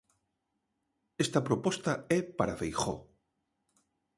Esta proposta é para Feijóo.